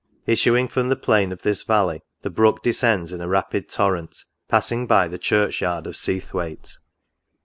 Issuing from the plain of this valley, the Brook descends in a rapid torrent, passing by the church yard of Seathwaite.